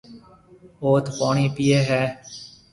اوٿ پوڻِي پِئي هيَ۔